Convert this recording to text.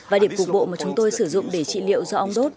và điểm cục bộ mà chúng tôi sử dụng để trị liệu do ong đốt